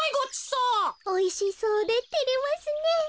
おいしそうでてれますねえ。